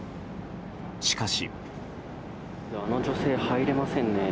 しかし。